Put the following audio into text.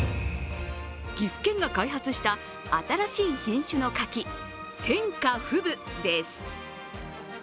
岐阜県が開発した新しい品種の柿、天下富舞です。